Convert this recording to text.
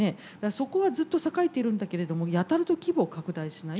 そこはずっと栄えているんだけれどもやたらと規模は拡大しない。